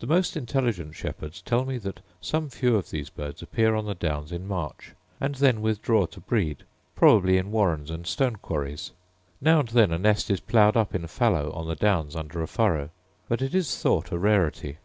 The most intelligent shepherds tell me that some few of these birds appear on the downs in March, and then withdraw to breed probably in warrens and stone quarries: now and then a nest is plowed up in a fallow on the downs under a furrow, but it is thought a rarity.